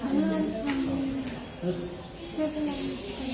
สวัสดีครับ